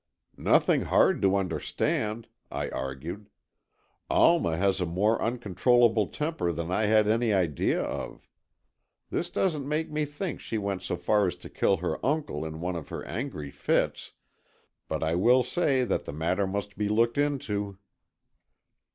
"Nothing hard to understand," I argued. "Alma has a more uncontrollable temper than I had any idea of. This doesn't make me think she went so far as to kill her uncle in one of her angry fits but I will say that the matter must be looked into."